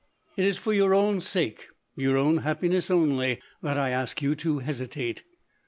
It is for your own sake, your own happiness only, that I ask you to hesitate.